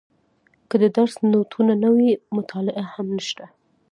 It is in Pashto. که د درس نوټونه نه وي مطالعه هم نشته.